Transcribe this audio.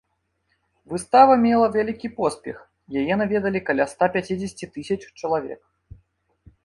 Выстава мела вялікі поспех, яе наведалі каля ста пяцідзесяці тысяч чалавек.